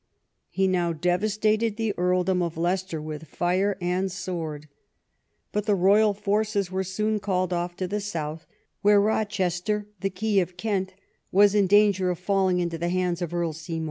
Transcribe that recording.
He now devastated the earldom of Leicester with fire and sword. But the royal forces were soon called off to the south, where Rochester, the key of Kent, was in danger of falling into the hands of Earl Simon.